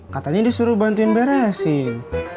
katanya disuruh bantuin beresin